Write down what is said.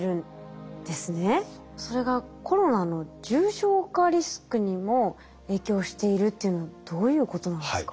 それがコロナの重症化リスクにも影響しているっていうのはどういうことなんですか？